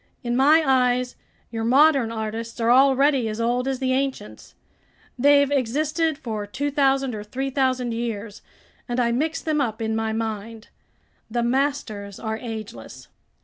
In my eyes, your modern artists are already as old as the ancients. They've existed for 2,000 or 3,000 years, and I mix them up in my mind. The masters are ageless."